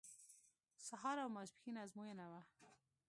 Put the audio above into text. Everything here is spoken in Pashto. سهار او ماسپښین ازموینه وه.